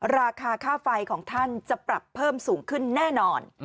ราคาค่าไฟของท่านจะปรับเพิ่มสูงขึ้นแน่นอน